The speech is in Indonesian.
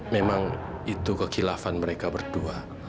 memang itu kekilafan mereka berdua